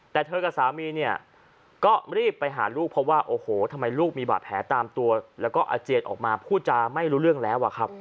แต่เธอกับสามีก็รีบไปหาลูกเวลาเยี่ยมเพราะว่าลูกมีบาดแผลตามและอเจดออกมาผู้จามไม่รู้เรื่องแล้ว